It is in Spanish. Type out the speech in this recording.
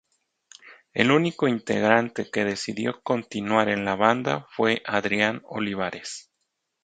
El único integrante que decidió continuar en la banda fue Adrián Olivares.